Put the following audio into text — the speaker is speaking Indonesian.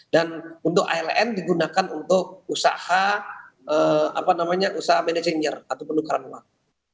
dan untuk iln digunakan untuk usaha apa namanya usaha manajer atau penukaran uang